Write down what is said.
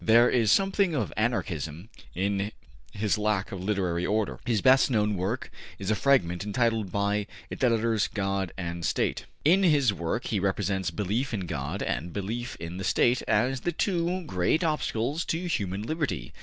There is something of Anarchism in his lack of literary order. His best known work is a fragment entitled by its editors ``God and the State.'' In this work he represents belief in God and belief in the State as the two great obstacles to human liberty.